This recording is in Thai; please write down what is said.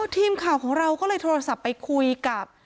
ทีมข่าวของเราก็เลยโทรศัพท์ไปคุยกับ